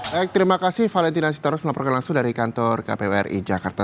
baik terima kasih valentina sitorus melaporkan langsung dari kantor kpu ri jakarta